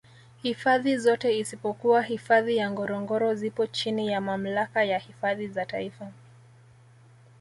hifadhi zote isipokuwa hifadhi ya ngorongoro zipo chini ya Mamlaka ya hifadhi za taifa